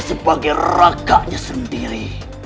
sebagai ragaknya sendiri